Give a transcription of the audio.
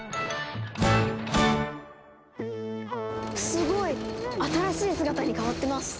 すごい！新しい姿に変わってます。